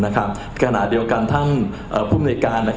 กระหน่าเดียวกันท่านผู้มีริการ